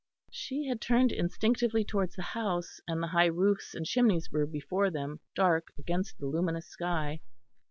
She had turned instinctively towards the house, and the high roofs and chimneys were before them, dark against the luminous sky.